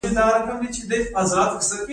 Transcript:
د مخ د پوستکي د وچوالي لپاره کوم ماسک وکاروم؟